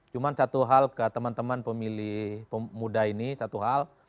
cuma satu hal ke teman teman pemilih pemuda ini satu hal